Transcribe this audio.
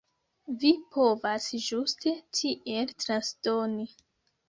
Vi povas ĝuste tiel transdoni.